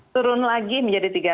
turun lagi menjadi tiga puluh